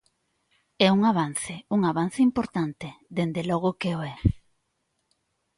É un avance, un avance importante, dende logo que o é.